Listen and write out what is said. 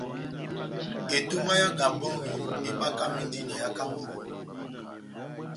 Etomba yá Gabon ebakamindi na yá Kameruni.